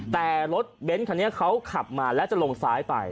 แต่รถเบ้นคันนี้เขาขับมาแล้วจะลงซ้ายไป